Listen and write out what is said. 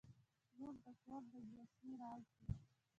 • لور د کور د زړسوي راز وي.